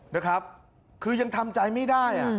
นะครับคือยังทำใจไม่ได้